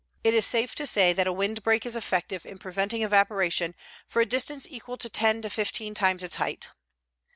It is safe to say that a windbreak is effective in preventing evaporation for a distance equal to ten to fifteen times its height.